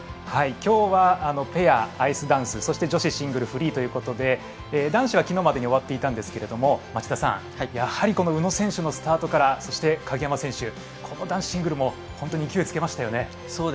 きょうはペア、アイスダンス女子シングルフリーということで男子はきのうまでに終わっていたんですけれどもやはり宇野選手のスタートからそして鍵山選手バトンをつなぎましたよね。